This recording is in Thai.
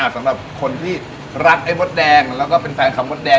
สำหรับคนที่รักไอ้มดแดงแล้วก็เป็นแฟนคลับมดแดง